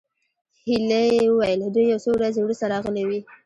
هيلې وویل دوی یو څو ورځې وروسته راغلې وې